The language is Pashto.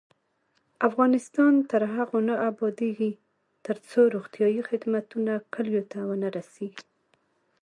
افغانستان تر هغو نه ابادیږي، ترڅو روغتیایی خدمتونه کلیو ته ونه رسیږي.